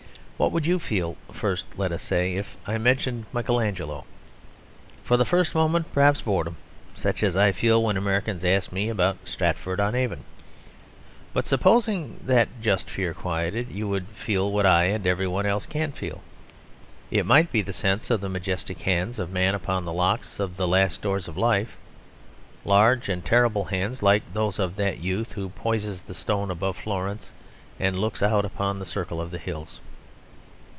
What would you feel first, let us say, if I mentioned Michael Angelo? For the first moment, perhaps, boredom: such as I feel when Americans ask me about Stratford on Avon. But, supposing that just fear quieted, you would feel what I and every one else can feel. It might be the sense of the majestic hands of Man upon the locks of the last doors of life; large and terrible hands, like those of that youth who poises the stone above Florence, and looks out upon the circle of the hills.